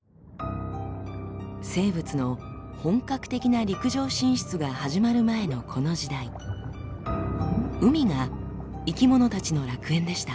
生物の本格的な陸上進出が始まる前のこの時代海が生き物たちの楽園でした。